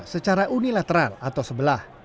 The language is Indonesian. secara unilateral atau sebelah